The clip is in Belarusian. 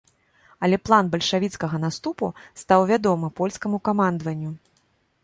Але план бальшавіцкага наступу стаў вядомы польскаму камандаванню.